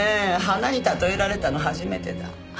花に例えられたの初めてだ。